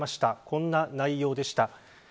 こんな内容でした。